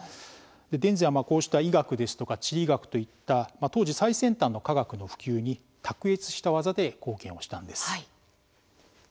田善はこうした医学ですとか地理学といった当時最先端の科学の普及に卓越した技で貢献をしたんです。